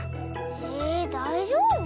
えだいじょうぶ？